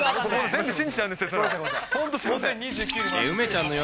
全部信じちゃうんですよ。